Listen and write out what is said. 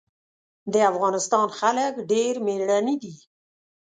د افغانستان خلک ډېر مېړني دي.